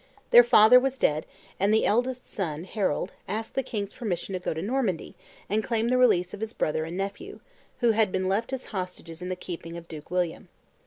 Their father was dead, and the eldest son, Harold, asked the king's permission to go to Normandy and claim the release of his brother and nephew, who had been left as hostages in the keeping of Duke William.